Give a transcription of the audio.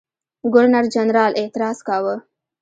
ګورنرجنرال اعتراض کاوه.